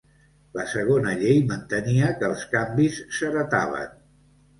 La segona llei mantenia que els canvis s'heretaven.